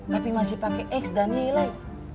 tapi masih pakai x dan y lain